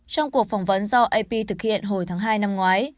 trong cuộc phỏng vấn do ap thực hiện hồi tháng hai năm ngoái